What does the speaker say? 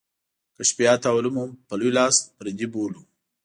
کشفیات او علوم هم په لوی لاس پردي بولو.